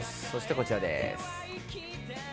そしてこちらです。